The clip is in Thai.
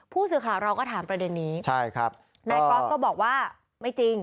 ผู้สื่อข่าวเราก็ถามประเด็นนี้ใช่ครับนายกอล์ฟก็บอกว่าไม่จริง